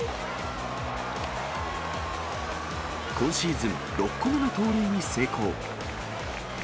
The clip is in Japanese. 今シーズン６個目の盗塁に成功。